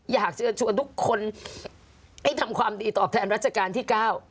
อยากเชิญชวนทุกคนให้ทำความดีตอบแทนรัชกาลที่๙